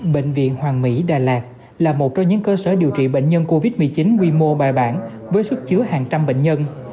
bệnh viện hoàng mỹ đà lạt là một trong những cơ sở điều trị bệnh nhân covid một mươi chín quy mô bài bản với sức chứa hàng trăm bệnh nhân